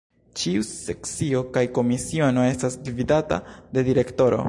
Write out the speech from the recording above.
Ĉiu Sekcio kaj Komisiono estas gvidata de Direktoro.